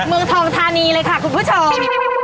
เมืองทองธานีเลยค่ะคุณผู้ชม